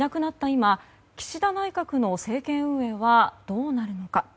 今岸田内閣の政権運営はどうなるのか。